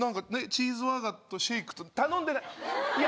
チーズバーガーとシェイクと頼んでないいや